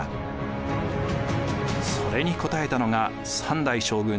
それに応えたのが３代将軍